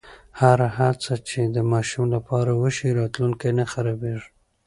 هره هڅه چې د ماشوم لپاره وشي، راتلونکی نه خرابېږي.